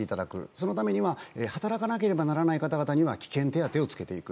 そのためには働かなければならない方々には危険手当をつけていく。